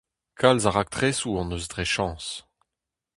Kalz a raktresoù hon eus dre chañs !